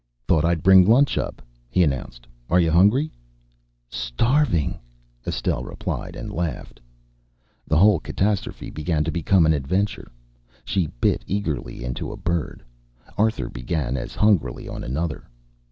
"Thought I'd bring lunch up," he announced. "Are you hungry?" "Starving!" Estelle replied, and laughed. The whole catastrophe began to become an adventure. She bit eagerly into a bird. Arthur began as hungrily on another.